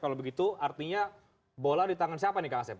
kalau begitu artinya bola di tangan siapa nih kak asep